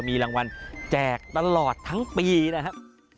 มีรางวัลแจกตลอดทั้งปีนะครับ